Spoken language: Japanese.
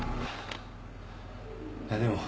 いやでも。